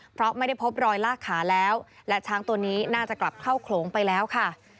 เพราะไม่ได้พบรอยลากขาแล้วและช้างตัวนี้น่าจะกลับเข้าโขลงไปแล้วค่ะ